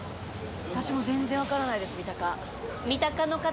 私も全然わからないです三鷹。